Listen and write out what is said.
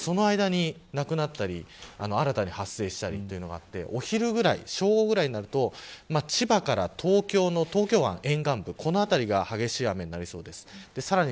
その間になくなったり新たに発生したりというのがあってお昼ぐらい、正午ぐらいになると千葉から東京湾沿岸部この辺りが激しい雨になりそうです。